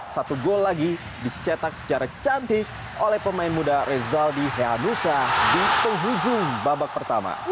satu gol lagi dicetak secara cantik oleh pemain muda rezaldi heanusa di penghujung babak pertama